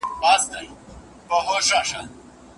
خاوند او ميرمن به په راتلونکي کي ښه ژوند کوي.